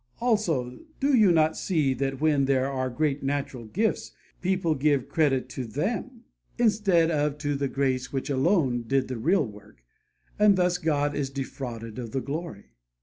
Also, do you not see that when there are great natural gifts, people give the credit to them, instead of to the grace which alone did the real work, and thus God is defrauded of the glory?